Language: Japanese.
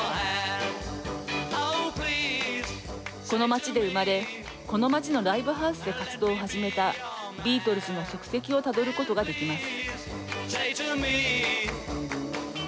この街で生まれこの街のライブハウスで活動を始めたビートルズの足跡をたどることができます。